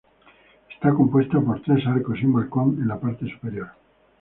Está compuesta por tres arcos y un balcón en la parte superior.